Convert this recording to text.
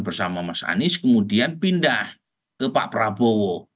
bersama mas anies kemudian pindah ke pak prabowo